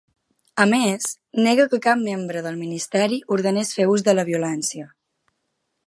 A més, nega que cap membre del ministeri ordenés fer ús de la violència.